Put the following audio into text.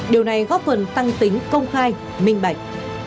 điều này góp phần tăng tính công khai minh bạch